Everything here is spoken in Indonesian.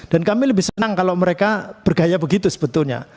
dan kami lebih senang kalau mereka bergaya begitu sebetulnya